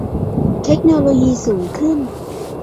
เทคโนโลยีสูงขึ้น